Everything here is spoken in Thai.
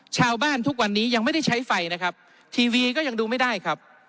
ทุกวันนี้ยังไม่ได้ใช้ไฟนะครับทีวีก็ยังดูไม่ได้ครับ